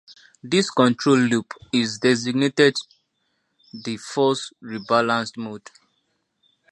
This control loop is designated the force-rebalanced mode.